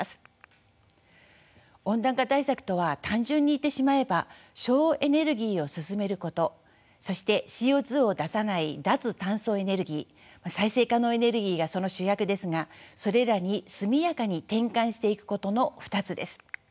温暖化対策とは単純に言ってしまえば省エネルギーを進めることそしてＣＯ２を出さない脱炭素エネルギー再生可能エネルギーがその主役ですがそれらに速やかに転換していくことの２つです。